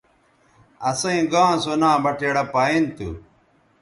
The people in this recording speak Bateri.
اَسئیں گاں سو ناں بٹیڑہ پائیں تھو۔